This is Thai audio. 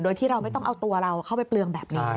โดยที่เราไม่ต้องเอาตัวเราเข้าไปเปลืองแบบนี้